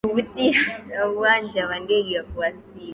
kuvutia wa uwanja wa ndege wa kuwasili